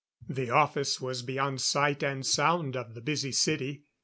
The office was beyond sight and sound of the busy city.